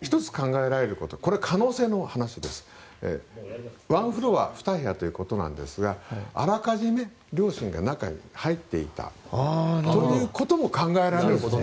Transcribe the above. １つ、考えられること可能性の話ですが１フロアに２部屋ということですがあらかじめ両親が中に入っていたということも考えられる。